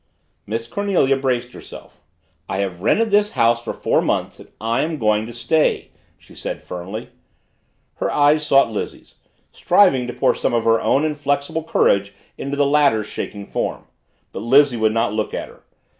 Miss Cornelia braced herself. "I have rented this house for four months and I am going to stay," she said firmly. Her eyes sought Lizzie's, striving to pour some of her own inflexible courage into the latter's quaking form. But Lizzie would not look at her.